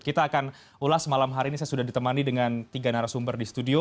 kita akan ulas malam hari ini saya sudah ditemani dengan tiga narasumber di studio